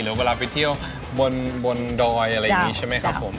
เวลาไปเที่ยวบนดอยอะไรอย่างนี้ใช่ไหมครับผม